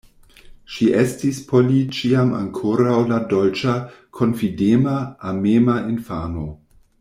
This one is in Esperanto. Ŝi estis por li ĉiam ankoraŭ la dolĉa, konfidema, amema infano.